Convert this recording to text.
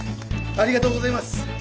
ありがとうございます！